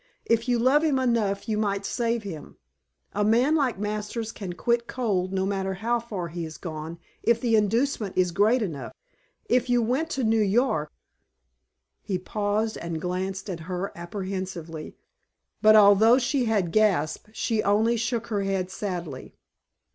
If you love him enough you might save him. A man like Masters can quit cold no matter how far he has gone if the inducement is great enough. If you went to New York " He paused and glanced at her apprehensively, but although she had gasped she only shook her head sadly.